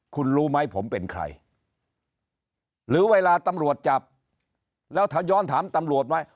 คุณรู้ไหมผมเป็นใครหรือเวลาตำรวจจับแล้วถ้าย้อนถามตำรวจไหม